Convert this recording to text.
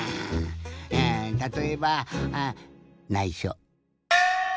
たとえばないしょ。